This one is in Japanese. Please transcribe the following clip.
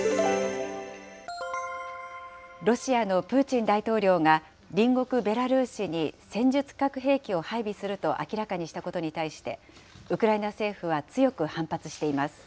ロシアのプーチン大統領が、隣国ベラルーシに戦術核兵器を配備すると明らかにしたことに対して、ウクライナ政府は強く反発しています。